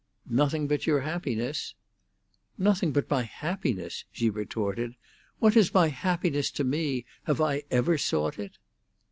"Nothing but your happiness." "Nothing but my happiness!" she retorted. "What is my happiness to me? Have I ever sought it?"